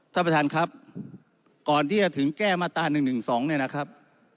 ท่านประธานครับก่อนที่จะถึงแก้มาตรา๑๑๒เนี่ยนะครับ